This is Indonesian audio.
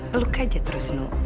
peluk aja terus nuk